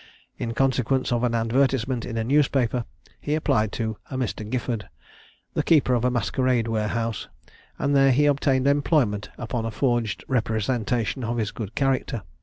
In consequence of an advertisement in a newspaper, he applied to a Mr. Gifford, the keeper of a masquerade warehouse, and there he obtained employment upon a forged representation of his good character.